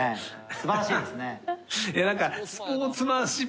素晴らしいですね。